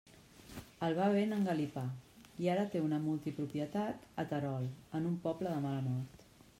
El va ben engalipar i ara té una multipropietat a Terol, en un poble de mala mort.